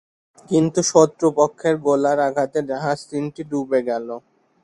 কিন্তু শত্রুপক্ষের গোলার আঘাতে জাহাজ তিনটি ডুবে গেল।